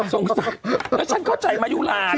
สงสัยแล้วฉันเข้าใจมายุลา